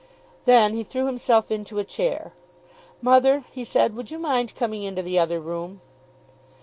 Then he threw himself into a chair. "Mother," he said, "would you mind coming into the other room?"